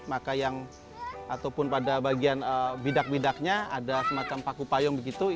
maka yang ataupun pada bagian bidak bidaknya ada semacam paku payung begitu